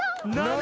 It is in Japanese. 何？